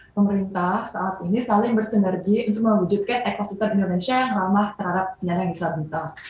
pemerintah saat ini saling bersinergi untuk mewujudkan ekosistem indonesia yang ramah terhadap penyandang disabilitas